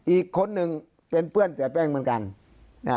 อีกคนหนึ่งเป็นเพื่อนเสียแป้งเหมือนกัน